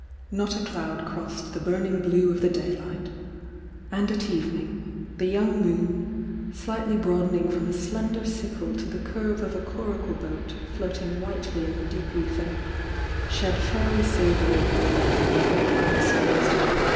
Not a cloud crossed the burning blue of the daylight, and at evening, tiie young moon, slightly broadening from a sl'mder sickle to the curve of a coracle boat floating wnitely in the deep ether, shed fairy silver over the lake and the Alpine snows above h.